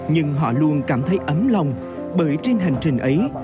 nhưng họ luôn cảm thấy ấm lòng bởi trên hành trình ấy